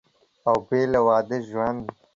او بېله واده ژوند